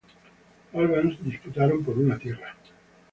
Albans disputaron por una tierra.